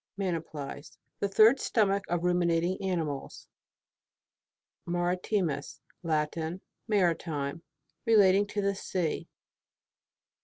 MANYPLIES. The third stomach of ruminating animals. MARITIMUS. Latin. Maritime. Re lating to the sea.